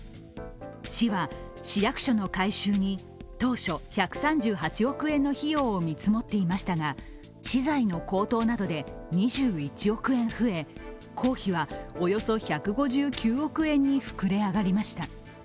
市は市役所の改修に当初、１３８億円の費用を見積もっていましたが、資材の高騰などで２１億円増え、工費はおよそ１５９億円に膨れ上がりました。